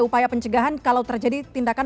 upaya pencegahan kalau terjadi tindakan